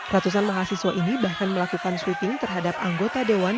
ratusan mahasiswa ini bahkan melakukan sweeping terhadap anggota dewan